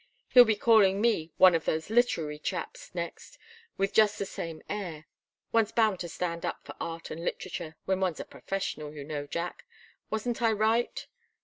He'll be calling me 'one of those literary chaps,' next, with just the same air. One's bound to stand up for art and literature when one's a professional, you know, Jack. Wasn't I right?"